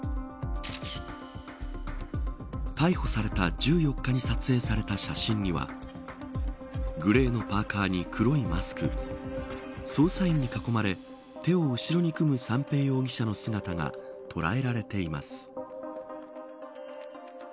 逮捕された１４日に撮影された写真にはグレーのパーカーに黒いマスク捜査員に囲まれ手を後ろに組む三瓶容疑者の姿が捉えられています。